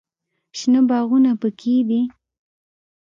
شنه باغونه پکښې دي.